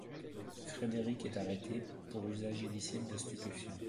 Frédéric est arrêté pour usage illicite de stupéfiants.